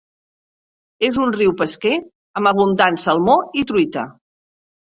És un riu pesquer amb abundant salmó i truita.